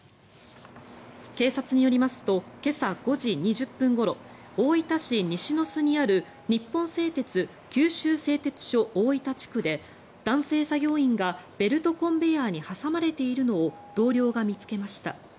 警察によりますと今朝５時２０分ごろ大分市西ノ洲にある日本製鉄九州製鉄所大分地区で男性作業員がベルトコンベヤーに挟まれているのを同僚が見つけました。